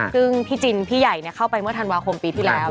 ซึ่งพี่จินพี่ใหญ่เข้าไปเมื่อธันวาคมปีที่แล้ว